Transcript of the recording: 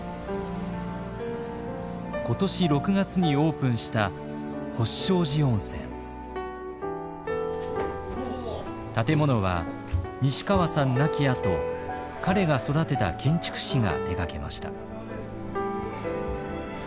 今年６月にオープンした建物は西川さん亡きあと彼が育てた建築士が手がけました。